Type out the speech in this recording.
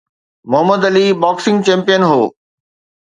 Muhammad Ali boxing champion هو